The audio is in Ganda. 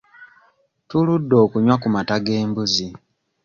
Tuludde okunywa ku mata g'embuzi.